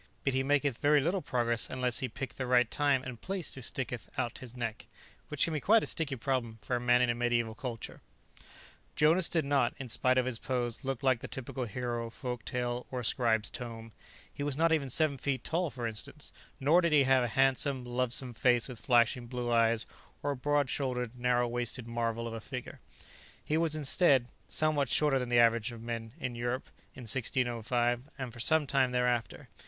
But he maketh very little progress unless he pick the right time and place to "sticketh out his neck" which can be quite a sticky problem for a man in a medieval culture!_ Illustrated by Schoenherr Jonas did not, in spite of his pose, look like the typical hero of folk tale or scribe's tome; he was not seven feet tall, for instance, nor did he have a handsome, lovesome face with flashing blue eyes, or a broad shouldered, narrow waisted marvel of a figure. He was, instead, somewhat shorter than the average of men in Europe in 1605 and for some time thereafter.